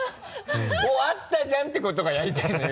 「おっ合ったじゃん！」ってことがやりたいのよ！